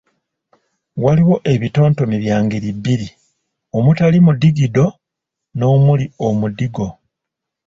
Waliwo ebitontome bya ngeri bbiri, omutali mudigido n'omuli omudigo.